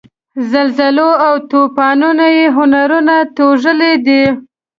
زلزلو او توپانونو یې هنرونه توږلي دي.